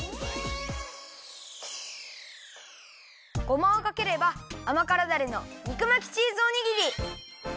ごまをかければあまからダレの肉巻きチーズおにぎり！